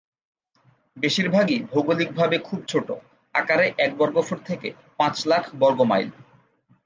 বেশিরভাগই ভৌগলিকভাবে খুব ছোট, আকারে এক বর্গফুট থেকে পাঁচ লাখ বর্গমাইল।